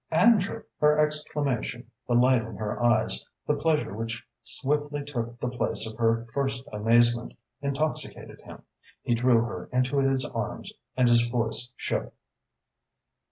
"Andrew!" Her exclamation, the light in her eyes, the pleasure which swiftly took the place of her first amazement, intoxicated him. He drew her into his arms and his voice shook.